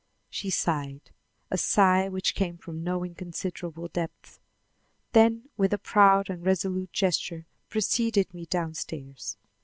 She sighed a sigh which came from no inconsiderable depths then with a proud and resolute gesture preceded me down stairs.